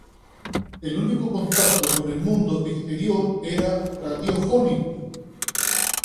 El único contacto con el mundo exterior era radiofónico.